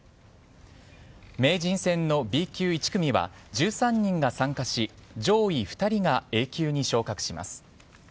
名人戦のＢ級１組は１３人が参加し上位２人がＡ級に昇格します。